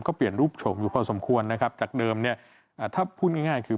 ก็เปลี่ยนรูปฉกอยู่พอสมควรนะครับจากเดิมเนี่ยอ่าถ้าพูดง่ายง่ายคือ